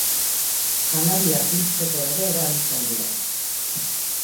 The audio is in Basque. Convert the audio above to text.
Janariak biltzeko ere erabiltzen dira.